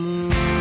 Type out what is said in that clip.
gue akan pergi